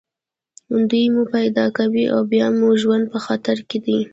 دوی مو پیدا کوي او بیا مو ژوند په خطر کې دی